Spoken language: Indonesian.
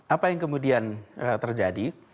apa yang kemudian terjadi